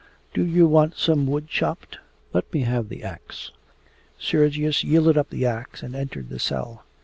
'Do you want some wood chopped? Let me have the axe.' Sergius yielded up the axe and entered the cell.